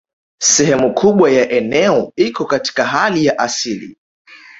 Sehemu kubwa ya eneo iko katika hali ya asili